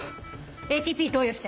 ＡＴＰ投与して。